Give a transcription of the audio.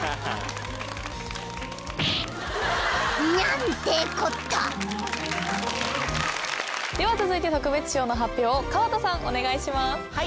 ［ニャンてこった！］では続いて特別賞の発表を川田さんお願いします。